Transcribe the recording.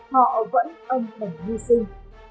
họ vẫn âm ảnh hy sinh